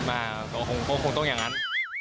อ่าก็คงต้องอย่างนั้น